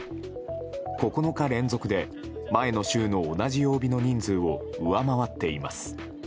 ９日連続で前の週の同じ曜日の人数を上回っています。